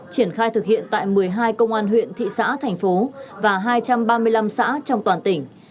triển khai thực hiện tại một mươi hai công an huyện thị xã thành phố và hai trăm ba mươi năm xã trong toàn tỉnh